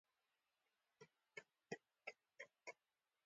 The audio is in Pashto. د ولسواکۍ او پلورالېزم لپاره چاپېریال مساعد دی.